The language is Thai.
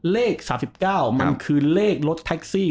เลข๓๙มันคือเลขรถแท็กซี่